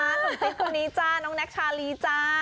หนุ่มติ๊กคนนี้จ้าน้องแน็กชาลีจ้า